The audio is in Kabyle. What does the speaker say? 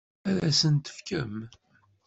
Ad as-tent-tefkem?